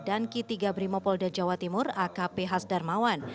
ki tiga brimopolda jawa timur akp hasdarmawan